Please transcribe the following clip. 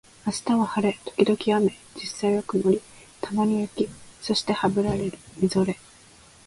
明日は晴れ、時々雨、実際は曇り、たまに雪、そしてハブられるみぞれ